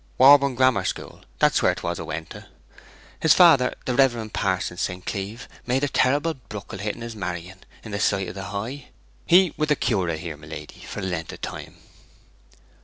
Warborne Grammar School that's where 'twas 'a went to. His father, the reverent Pa'son St. Cleeve, made a terrible bruckle hit in 's marrying, in the sight of the high. He were the curate here, my lady, for a length o' time.'